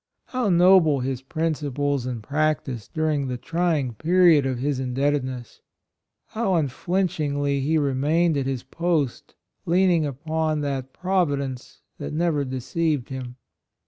How noble his principles and practice during the trying period of his indebtedness! How unflinch ingly he remained at his post, lean ing upon that Providence that never deceived him.